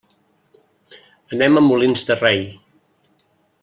Anem a Molins de Rei.